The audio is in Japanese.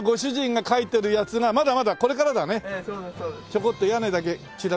ちょこっと屋根だけチラッと。